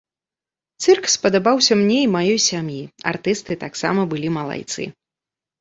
Цырк спадабаўся мне і маёй сям'і, артысты таксама былі малайцы.